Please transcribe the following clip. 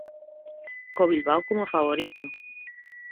Co Bilbao como favorito.